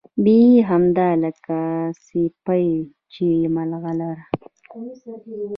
بيخي همداسې لکه سيپۍ چې ملغلره